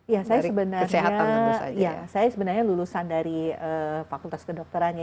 ya saya sebenarnya lulusan dari fakultas kedokterannya